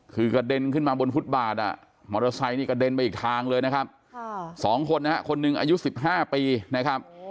คือกระเด็นขึ้นมาบนฟุตบาทมอเตอร์ไซค์นี่กระเด็นไปอีกทางเลยนะครับ๒คนนะฮะคนหนึ่งอายุ๑๕ปีนะครับ